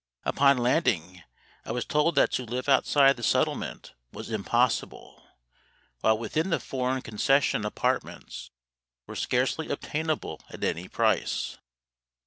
Upon landing, I was told that to live outside the Settlement was impossible, while within the foreign concession apartments were scarcely obtainable at any price.